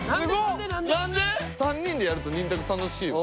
３人でやるとニン拓楽しいわ。